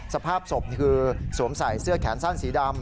สภาพศพนี่คือสวมใส่เสื้อแขนสั้นสีดำ